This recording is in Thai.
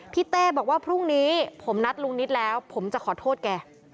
เต้บอกว่าพรุ่งนี้ผมนัดลุงนิดแล้วผมจะขอโทษแก